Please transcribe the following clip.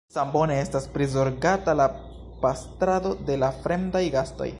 Sambone estas prizorgata la pastrado de la fremdaj gastoj.